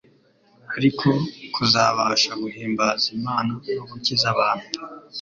ari ko kuzabasha guhimbaza Imana no gukiza abantu.